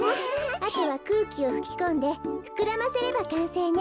あとはくうきをふきこんでふくらませればかんせいね。